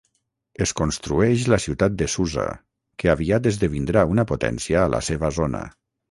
Es construeix la ciutat de Susa, que aviat esdevindrà una potència a la seva zona.